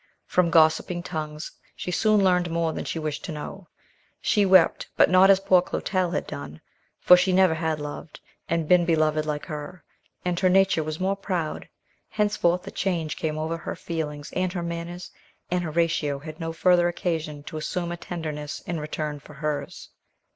From gossiping tongues she soon learned more than she wished to know. She wept, but not as poor Clotel had done; for she never had loved, and been beloved like her, and her nature was more proud: henceforth a change came over her feelings and her manners, and Horatio had no further occasion to assume a tenderness in return for hers.